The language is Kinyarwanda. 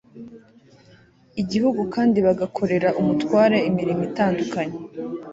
igihugu kandi bagakorera umutware imirimo itandukanye